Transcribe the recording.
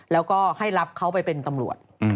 แล้วก็ให้รับเขาไปเป็นตำรวจ